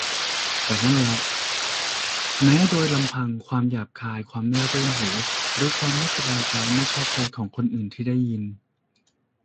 แต่นั่นแหละ แม้โดยลำพังความหยาบคาย ความไม่รื่นหู หรือความไม่สบายใจไม่ชอบใจของคนที่ได้ยิน